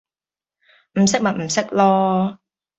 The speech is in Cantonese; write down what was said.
唔識咪唔識囉